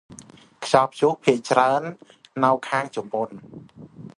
ខ្យល់ព្យុះភាគច្រើនទៅខាងជប៉ុន ។